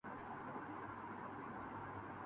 یہ ایک کامیاب تجربہ رہا ہے۔